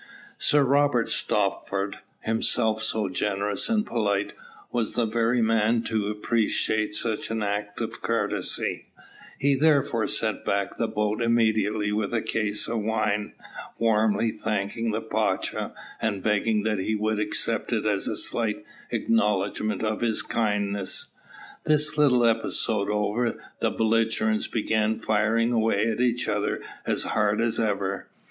Sir Robert Stopford, himself so generous and polite, was the very man to appreciate such an act of courtesy: he therefore sent back the boat immediately with a case of wine, warmly thanking the pacha, and begging that he would accept it as a slight acknowledgment of his kindness. This little episode over, the belligerents began firing away at each other as hard as ever.